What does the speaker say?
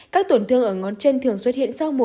các tổn thương ở ngón chân thường xuất hiện sau một hai ngày